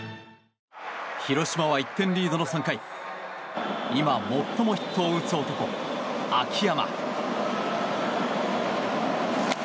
広島は１点リードの３回今、最もヒットを打つ男秋山。